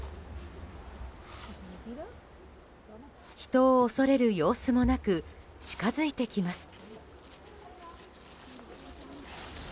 人を恐れる様子もなく近づいてきます。